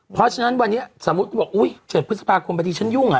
เพราะฉะนั้นวันนี้สมมติบอก๗พฤษภาคมบางทีฉันยุ่งอ่ะ